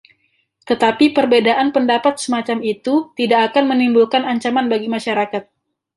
Tetapi perbedaan pendapat semacam itu tidak akan menimbulkan ancaman bagi masyarakat.